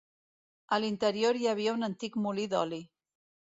A l'interior hi havia un antic molí d'oli.